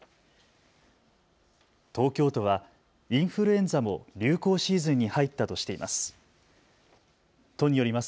東京都はインフルエンザも流行シーズンに入ったとしています。